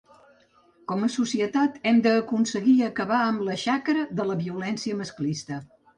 Com a societat hem d’aconseguir acabar amb la xacra de la violència masclista.